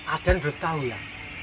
ada yang beritahu ya